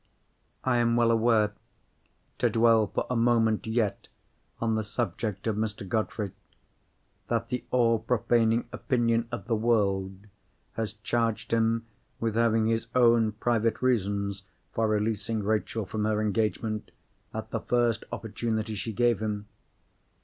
I am well aware—to dwell for a moment yet on the subject of Mr. Godfrey—that the all profaning opinion of the world has charged him with having his own private reasons for releasing Rachel from her engagement, at the first opportunity she gave him.